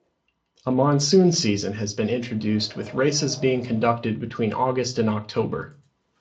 A monsoon season has been introduced with races being conducted between August and October.